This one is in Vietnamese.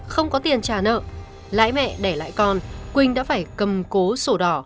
không có tiền trả nợ lãi mẹ đẻ lãi con quỳnh đã phải cầm cố sổ đỏ